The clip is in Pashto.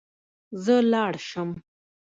زه لاړ شم